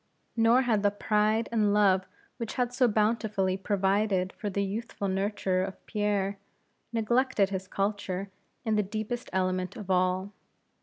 Nor had that pride and love which had so bountifully provided for the youthful nurture of Pierre, neglected his culture in the deepest element of all.